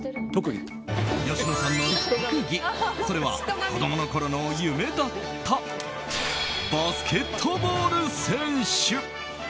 吉野さんの特技、それは子供のころの夢だったバスケットボール選手。